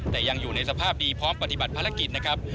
แต่ยังอยู่ในสภาพดีพร้อมปฏิบัติภารกิจนะครับ